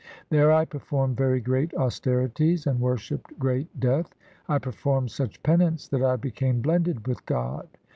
There I performed very great austerities And worshipped Great death. I performed such penance That I became blended with God.